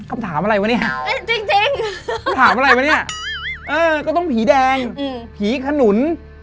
คำถามอะไรวะเนี่ยจริงถามอะไรวะเนี่ยเออก็ต้องผีแดงผีขนุน